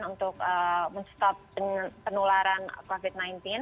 untuk menutup penularan covid sembilan belas